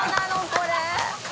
これ。